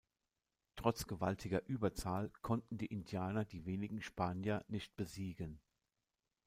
Trotz gewaltiger Überzahl konnten die Indianer die wenigen Spanier nicht besiegen.